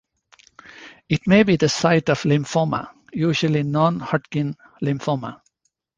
It may be the site of lymphoma, usually non-Hodgkin lymphoma.